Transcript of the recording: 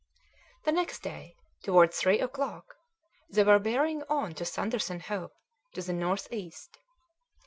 The next day, towards three o'clock, they were bearing on to Sanderson Hope to the north east.